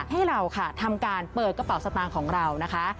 ให้เราค่ะทำการเปิดกระเป๋าสตางค์ของเรานะคะ